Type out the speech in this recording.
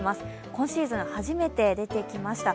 今シーズン初めて出てきました。